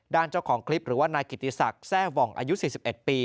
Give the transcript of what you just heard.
เจ้าของคลิปหรือว่านายกิติศักดิ์แทร่หว่องอายุ๔๑ปี